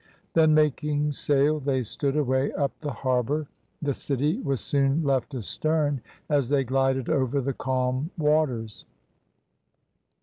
Then making sail, they stood away up the harbour. The city was soon left astern as they glided over the calm waters.